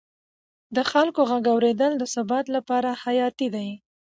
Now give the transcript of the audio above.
د خلکو غږ اورېدل د ثبات لپاره حیاتي دی